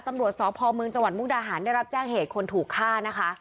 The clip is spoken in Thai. ตำรวจสพเมืองจังหวัดมุกดาหารได้รับแจ้งเหตุคนถูกฆ่านะคะ